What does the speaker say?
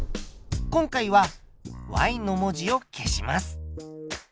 今回はの文字を消します。